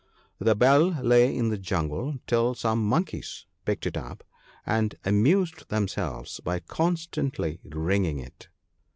The bell lay in the jungle till some monkeys picked it up, and amused themselves by constantly ringing it.